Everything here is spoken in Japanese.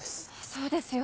そうですよ。